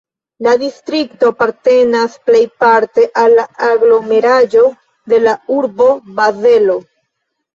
La distrikto apartenas plejparte al la aglomeraĵo de la urbo Bazelo.